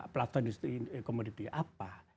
pelastuan industri komoditi apa